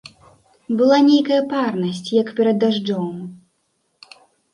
Была нейкая парнасць, як перад дажджом.